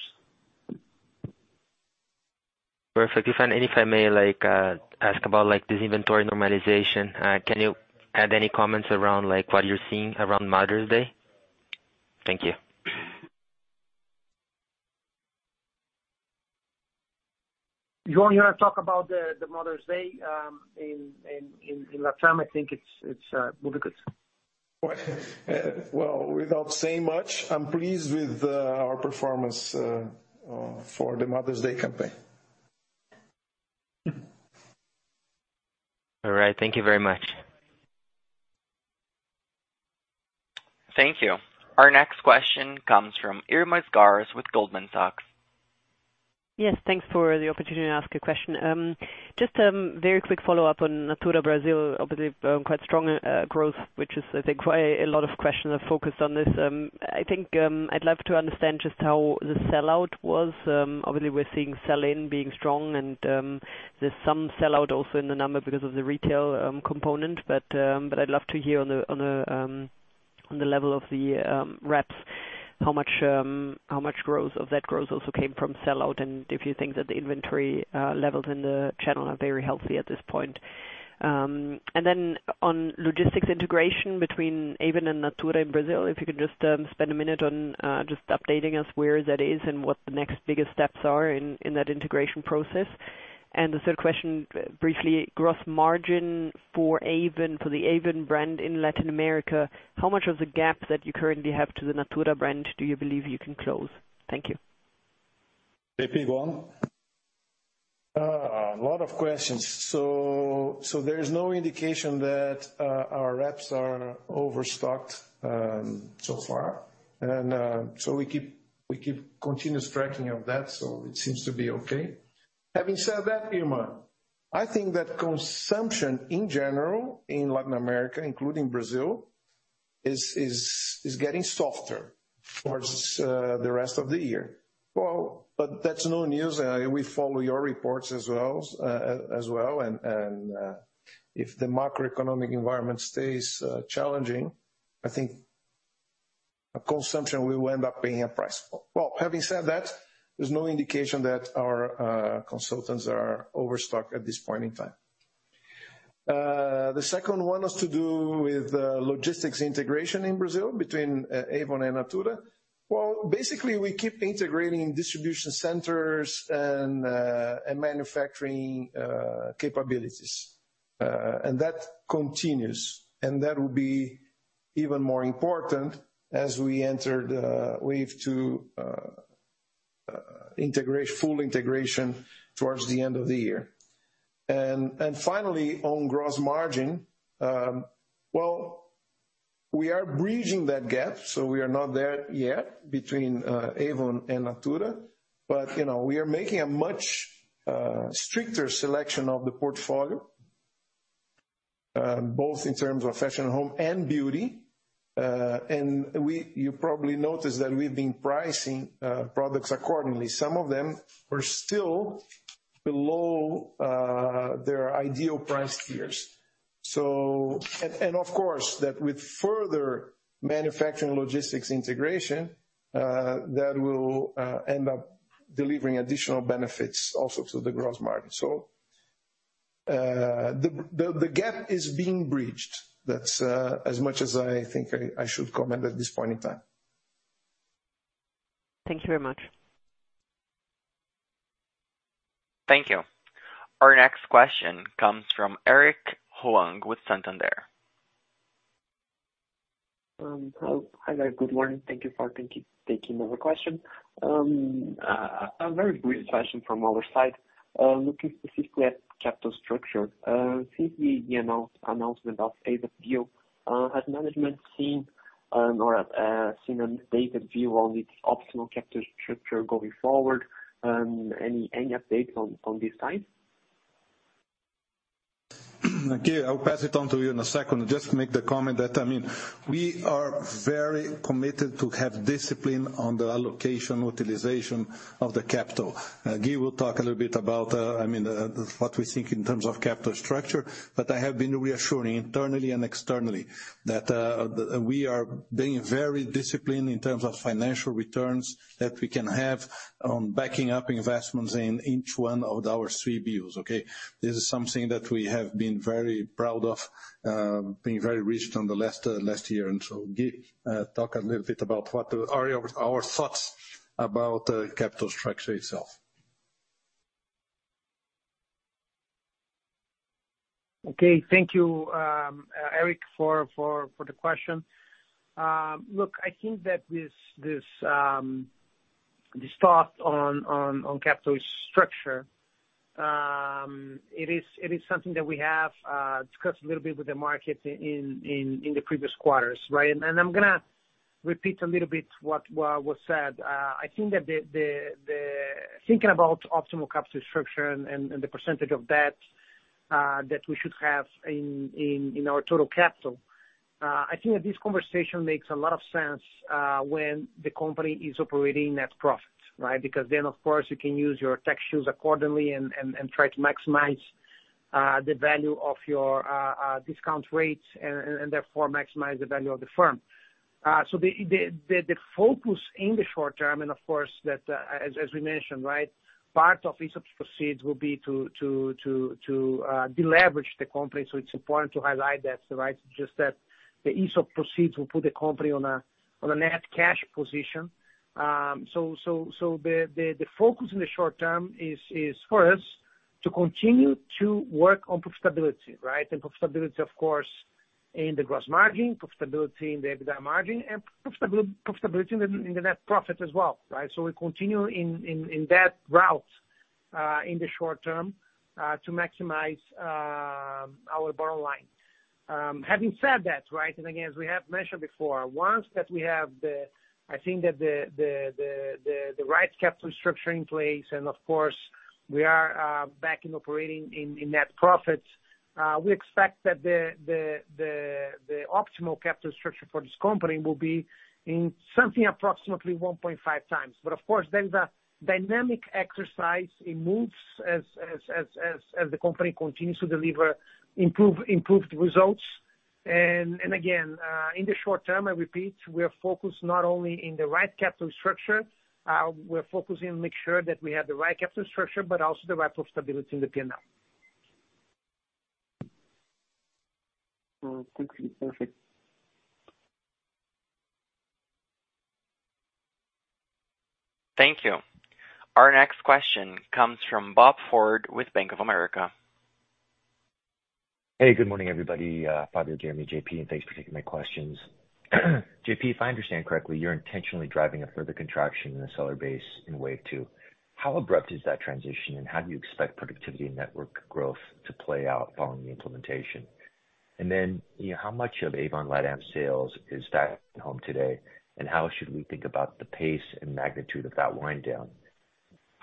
Perfect. If I may, like, ask about, like, this inventory normalization. Can you add any comments around, like, what you're seeing around Mother's Day? Thank you. You want me to talk about the Mother's Day in LatAm? I think it's Budi will do. Well, without saying much, I'm pleased with our performance for the Mother's Day campaign. All right. Thank you very much. Thank you. Our next question comes from Irma Sgarz with Goldman Sachs. Yes, thanks for the opportunity to ask a question. Just very quick follow-up on Natura Brazil. Quite strong growth, which is, I think why a lot of questions are focused on this. I'd love to understand just how the sellout was. We're seeing sell-in being strong and there's some sellout also in the number because of the retail component. I'd love to hear on the, on the level of the reps. How much growth of that growth also came from sellout, and if you think that the inventory levels in the channel are very healthy at this point. Then on logistics integration between Avon and Natura in Brazil, if you could just spend a minute on updating us where that is and what the next biggest steps are in that integration process. The third question, briefly, gross margin for Avon, for the Avon brand in Latin America, how much of the gap that you currently have to the Natura brand do you believe you can close? Thank you. JP, go on. A lot of questions. There's no indication that our reps are overstocked so far. We keep continuous tracking of that, so it seems to be okay. Having said that, Irma, I think that consumption in general in Latin America, including Brazil, is getting softer towards the rest of the year. That's no news. We follow your reports as well, and if the macroeconomic environment stays challenging, I think consumption will end up paying a price. Having said that, there's no indication that our consultants are overstocked at this point in time. The second one has to do with logistics integration in Brazil between Avon and Natura. Basically, we keep integrating distribution centers and manufacturing capabilities. That continues. That will be even more important as we enter the Wave 2 integration, full integration towards the end of the year. Finally, on gross margin, well, we are bridging that gap, so we are not there yet between Avon and Natura. You know, we are making a much stricter selection of the portfolio, both in terms of Fashion Home and Beauty. You probably noticed that we've been pricing products accordingly. Some of them are still below their ideal price tiers. Of course, that with further manufacturing logistics integration, that will end up delivering additional benefits also to the gross margin. The gap is being bridged. That's as much as I think I should comment at this point in time. Thank you very much. Thank you. Our next question comes from Eric Huang with Santander. hello. Hi, there. Good morning. Thank you for taking our question. A very brief question from our side. Looking specifically at capital structure, since the announcement of Avon deal, has management seen, or, seen an updated view on its optimal capital structure going forward? Any updates on this side? Gui, I'll pass it on to you in a second. Just to make the comment that, I mean, we are very committed to have discipline on the allocation utilization of the capital. Gui will talk a little bit about, I mean, what we think in terms of capital structure. I have been reassuring internally and externally that we are being very disciplined in terms of financial returns that we can have on backing up investments in each one of our suite deals, okay? This is something that we have been very proud of, being very rigid on the last year. Gui, talk a little bit about what are our thoughts about capital structure itself. Okay. Thank you, Eric, for the question. Look, I think that this thought on capital structure, it is something that we have discussed a little bit with the market in the previous quarters, right? I'm gonna repeat a little bit what was said. I think that thinking about optimal capital structure and the percentage of debt that we should have in our total capital, I think that this conversation makes a lot of sense when the company is operating net profits, right? Because then, of course, you can use your tax shields accordingly and try to maximize the value of your discount rates and therefore maximize the value of the firm. The focus in the short term, of course that, as we mentioned, right, part of Aesop's proceeds will be to de-leverage the company, so it's important to highlight that, right? Just that the Aesop proceeds will put the company on a net cash position. The focus in the short term is for us to continue to work on profitability, right? Profitability, of course, in the gross margin, profitability in the EBITDA margin, and profitability in the net profit as well, right? We continue in that route, in the short term, to maximize our bottom line. Having said that, right, and again, as we have mentioned before, once that we have the right capital structure in place and of course we are back in operating in net profits, we expect that the optimal capital structure for this company will be in something approximately 1.5 times. Of course, then the dynamic exercise, it moves as the company continues to deliver improved results. Again, in the short term, I repeat, we are focused not only in the right capital structure, we're focusing to make sure that we have the right capital structure, but also the right profitability in the P&L. thank you. Perfect. Thank you. Our next question comes from Robert Ford with Bank of America. Good morning, everybody, Fabio, Jeremy, JP, and thanks for taking my questions. JP, if I understand correctly, you're intentionally driving a further contraction in the seller base in Wave 2. How abrupt is that transition, and how do you expect productivity and network growth to play out following the implementation? You know, how much of Avon Latam sales is that home today, and how should we think about the pace and magnitude of that wind down?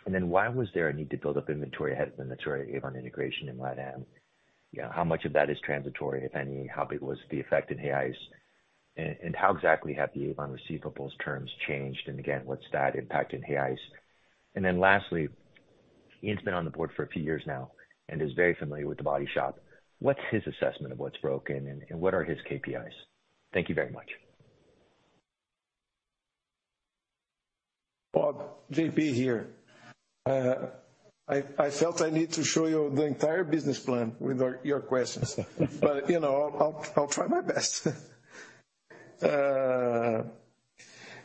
Why was there a need to build up inventory ahead of the Natura Avon integration in Latam? You know, how much of that is transitory, if any? How big was the effect in AIS? How exactly have the Avon receivables terms changed? Again, what's that impact in AIS? lastly, Ian's been on the board for a few years now and is very familiar with The Body Shop. What's his assessment of what's broken and what are his KPIs? Thank you very much. Bob, JP here. I felt I need to show you the entire business plan with your questions. You know, I'll try my best.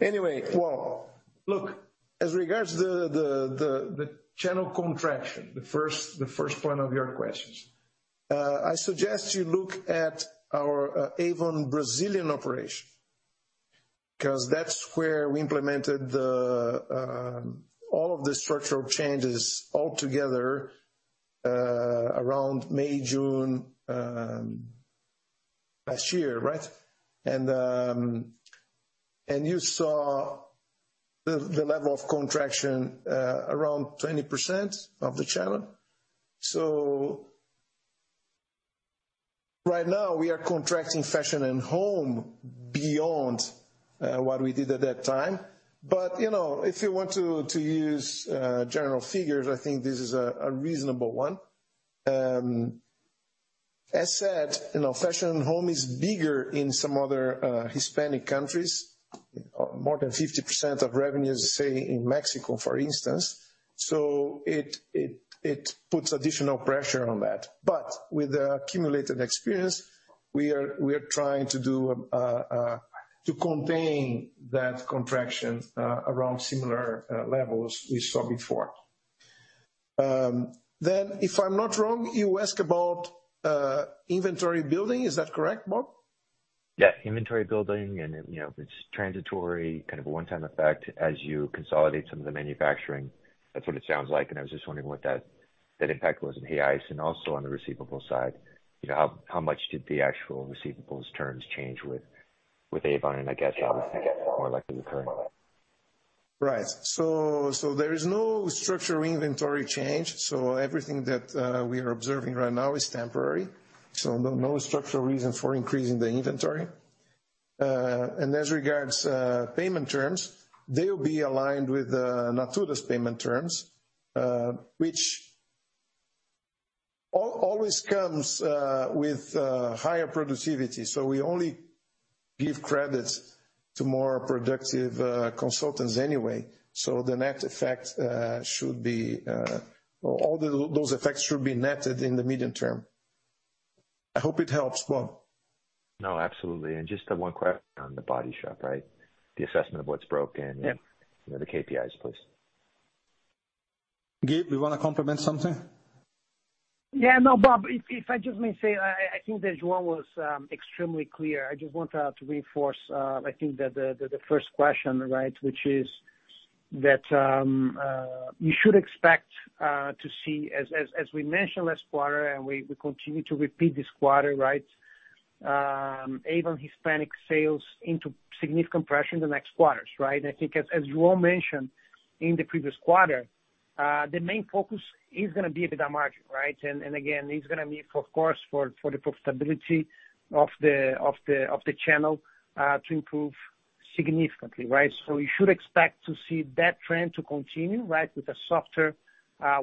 Anyway. Well, look, as regards the channel contraction, the first point of your questions, I suggest you look at our Avon Brazil, 'cause that's where we implemented the all of the structural changes altogether, around May, June last year, right? And you saw the level of contraction, around 20% of the channel. Right now we are contracting fashion and home beyond what we did at that time. You know, if you want to use general figures, I think this is a reasonable one. As said, you know, fashion and home is bigger in some other Hispanic countries. More than 50% of revenue is, say, in Mexico, for instance. It puts additional pressure on that. With the accumulated experience, we are trying to do to contain that contraction around similar levels we saw before. If I'm not wrong, you ask about inventory building. Is that correct, Bob? Yeah, inventory building and then, you know, if it's transitory kind of a one-time effect as you consolidate some of the manufacturing. That's what it sounds like. I was just wondering what that impact was in AIS and also on the receivables side. You know, how much did the actual receivables terms change with Avon? I guess obviously more likely recurring. Right. There is no structural inventory change. Everything that we are observing right now is temporary. No structural reasons for increasing the inventory. As regards payment terms, they'll be aligned with Natura's payment terms, which always comes with higher productivity. We only give credit to more productive consultants anyway. The net effect should be or all those effects should be netted in the medium term. I hope it helps, Bob. No, absolutely. just one question on The Body Shop, right? The assessment of what's broken- Yeah. You know, the KPIs please. Gui, you wanna complement something? No, Bob, if I just may say, I think that João was extremely clear. I just want to reinforce, I think that the first question, right, which is that you should expect to see as we mentioned last quarter and we continue to repeat this quarter, right? Avon Hispanic sales into significant pressure in the next quarters, right? I think as you all mentioned in the previous quarter, the main focus is gonna be EBITDA margin, right? Again, it's gonna be for course, for the profitability of the channel to improve significantly, right? You should expect to see that trend to continue, right, with the softer,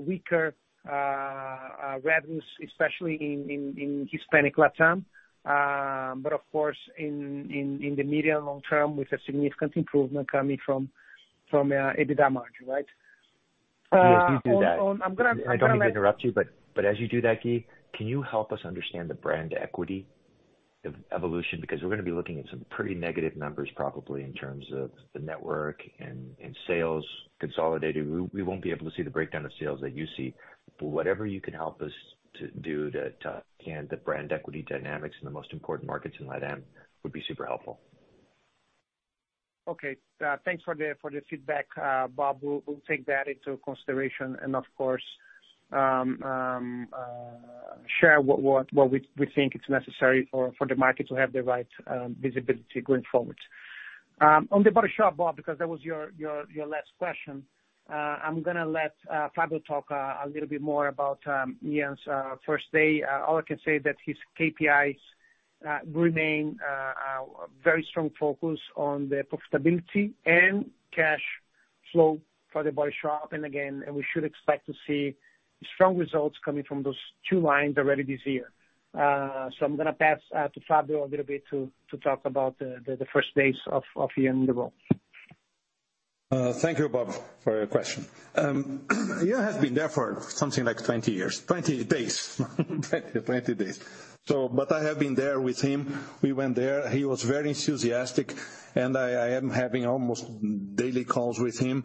weaker revenues, especially in Hispanic LatAm. Of course, in the medium long term with a significant improvement coming from EBITDA margin, right? Yes, you do that. On I don't mean to interrupt you, but as you do that, Gui, can you help us understand the brand equity evolution? We're gonna be looking at some pretty negative numbers probably in terms of the network and sales consolidated. We won't be able to see the breakdown of sales that you see. Whatever you can help us to do to understand the brand equity dynamics in the most important markets in LatAm would be super helpful. Okay. Thanks for the feedback, Bob. We'll take that into consideration and of course, share what we think it's necessary for the market to have the right visibility going forward. On The Body Shop, Bob, because that was your last question, I'm gonna let Fabio talk a little bit more about Ian's first day. All I can say that his KPIs remain very strong focus on the profitability and cash flow for The Body Shop. Again, we should expect to see strong results coming from those two lines already this year. I'm gonna pass to Fabio a little bit to talk about the first days of Ian in the role. Thank you, Bob, for your question. Ian has been there for something like 20 years, 20 days. I have been there with him. We went there. He was very enthusiastic, I am having almost daily calls with him.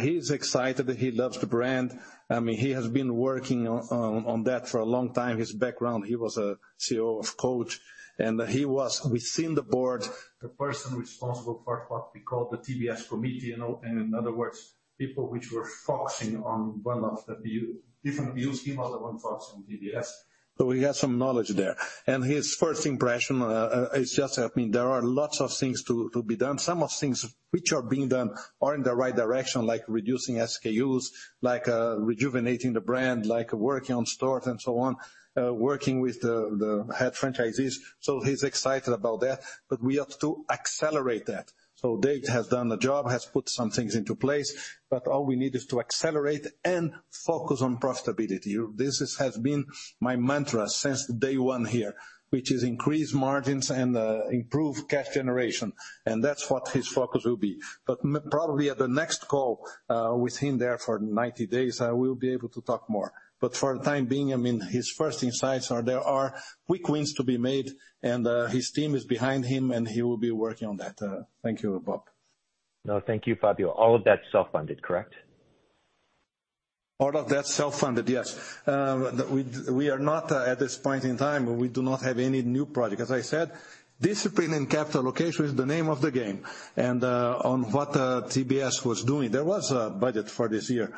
He's excited. He loves the brand. I mean, he has been working on that for a long time. His background, he was a CEO of Coach, he was within the board, the person responsible for what we call the TBS committee. You know, in other words, people which were focusing on one of the different business model than focusing on TBS. He has some knowledge there. His first impression is just that, I mean, there are lots of things to be done. Some of things which are being done are in the right direction, like reducing SKUs, like, rejuvenating the brand, like working on stores and so on, working with the head franchisees. He's excited about that, but we have to accelerate that. Dave has done a job, has put some things into place, but all we need is to accelerate and focus on profitability. This has been my mantra since day one here, which is increase margins and, improve cash generation. That's what his focus will be. Probably at the next call, with him there for 90 days, I will be able to talk more. For the time being, I mean, his first insights are there are quick wins to be made, and, his team is behind him, and he will be working on that. Thank you, Bob. No, thank you, Fabio. All of that's self-funded, correct? All of that's self-funded, yes. We are not at this point in time, we do not have any new project. As I said, discipline and capital allocation is the name of the game. On what TBS was doing, there was a budget for this year.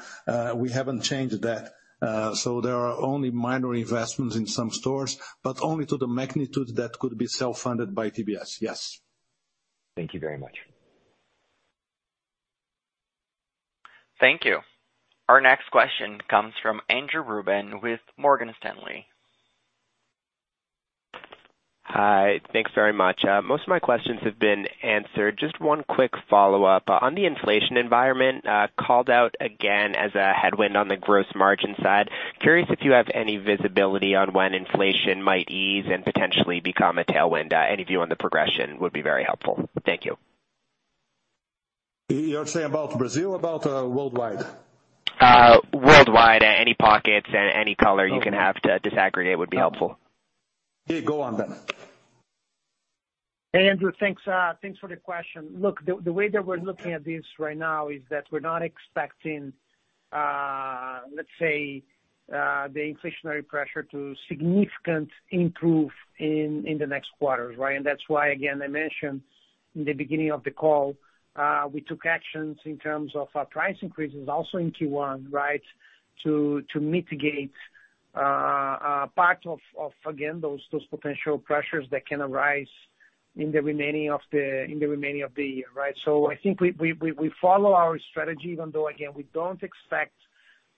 We haven't changed that. There are only minor investments in some stores, but only to the magnitude that could be self-funded by TBS, yes. Thank you very much. Thank you. Our next question comes from Andrew Ruben with Morgan Stanley. Hi. Thanks very much. Most of my questions have been answered. Just one quick follow-up. On the inflation environment, called out again as a headwind on the gross margin side. Curious if you have any visibility on when inflation might ease and potentially become a tailwind. Any view on the progression would be very helpful. Thank you. You're saying about Brazil, about worldwide? Worldwide. Any pockets, any color you can have to disaggregate would be helpful. Gui, go on then. Andrew, thanks for the question. The way that we're looking at this right now is that we're not expecting the inflationary pressure to significant improve in the next quarters, right? That's why, again, I mentioned in the beginning of the call, we took actions in terms of our price increases also in Q1, right, to mitigate part of, again, those potential pressures that can arise in the remaining of the year, right? I think we follow our strategy even though, again, we don't expect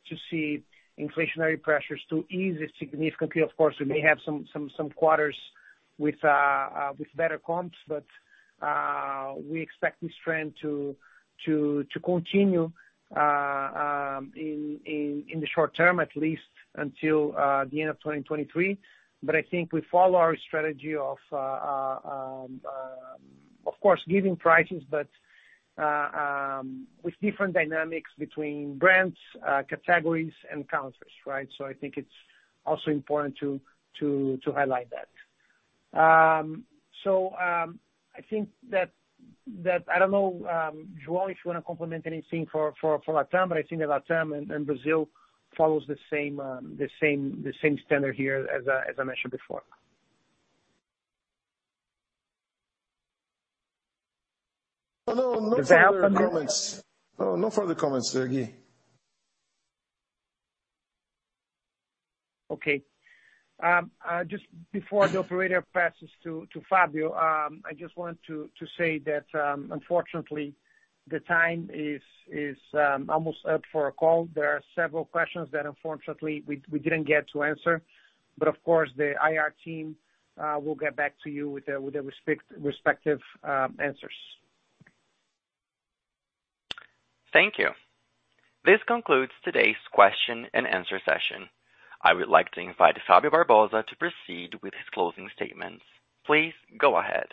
to see inflationary pressures to ease significantly. Of course, we may have some quarters with better comps, but we expect this trend to continue in the short term, at least until the end of 2023. I think we follow our strategy of course, giving prices, but with different dynamics between brands, categories and countries, right? I think it's also important to highlight that. I think I don't know, João, if you wanna complement anything for Latam, I think that Latam and Brazil follows the same standard here as I mentioned before. No, no further comments. Is there? No, no further comments, Gui. Okay. Just before the operator passes to Fabio, I just want to say that, unfortunately, the time is almost up for a call. There are several questions that unfortunately we didn't get to answer. Of course, the IR team will get back to you with the respective answers. Thank you. This concludes today's question and answer session. I would like to invite Fabio Barbosa to proceed with his closing statements. Please go ahead.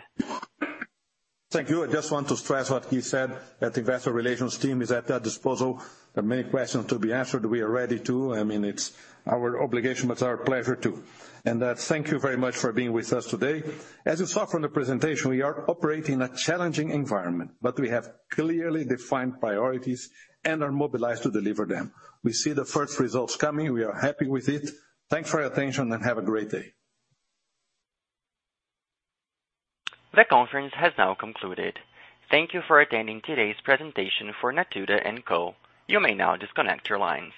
Thank you. I just want to stress what he said, that investor relations team is at their disposal. There are many questions to be answered. We are ready to. I mean, it's our obligation, but our pleasure too. Thank you very much for being with us today. As you saw from the presentation, we are operating a challenging environment, but we have clearly defined priorities and are mobilized to deliver them. We see the first results coming. We are happy with it. Thanks for your attention and have a great day. The conference has now concluded. Thank you for attending today's presentation for Natura &Co. You may now disconnect your lines.